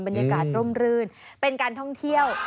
บรรยากาศร่มรื่นเป็นการท่องเที่ยว